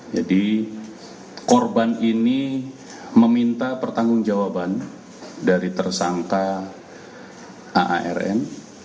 jadi korban ini meminta pertanggung jawaban dari tersangka aarn